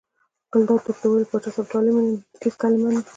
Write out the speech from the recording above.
ګلداد ورته وویل: پاچا صاحب ډېر طالع من یې.